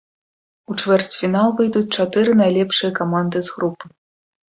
У чвэрцьфінал выйдуць чатыры найлепшыя каманды з групы.